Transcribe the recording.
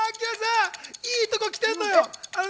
いいとこ来てるよ。